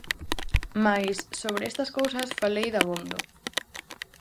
Mais, sobre estas cousas falei dabondo.